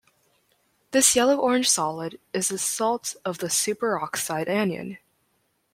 This yellow-orange solid is a salt of the superoxide anion.